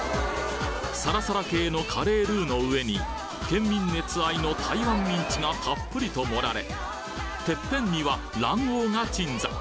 サラサラ系のカレールーの上に県民熱愛の台湾ミンチがたっぷりと盛られてっぺんには卵黄が鎮座。